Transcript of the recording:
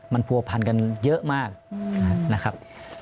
มันผัวพันกันเยอะมากนะครับ